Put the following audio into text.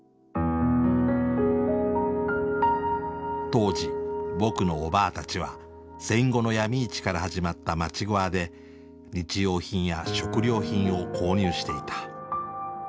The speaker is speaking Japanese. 当時僕のおばあたちは戦後の闇市から始まったまちぐゎーで日用品や食料品を購入していた。